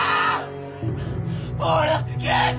暴力刑事！